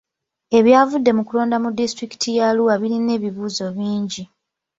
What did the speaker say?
Ebyavudde mu kulonda mu disitulikiti y'Arua birina ebibuuzo bingi.